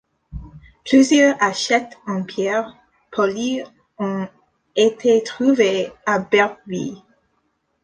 Plusieurs hachettes en pierre polie ont été trouvées à Bertreville.